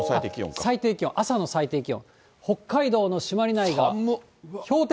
最低気温、朝の最低気温。